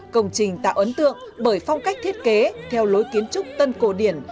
công trình tạo ấn tượng bởi phong cách thiết kế theo lối kiến trúc tân cổ điển